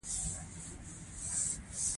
چې د صوبه سرحد دوره وکړي.